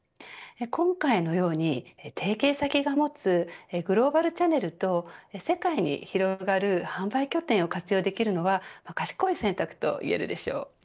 今回のように、提携先が持つグローバルチャネルと世界に広がる販売拠点を活用できるのは賢い選択と言えるでしょう。